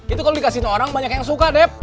itu kalau dikasih orang banyak yang suka dep